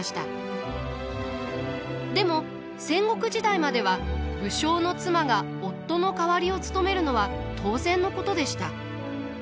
でも戦国時代までは武将の妻が夫の代わりを務めるのは当然のことでした。